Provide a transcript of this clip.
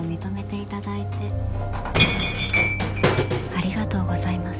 ありがとうございます。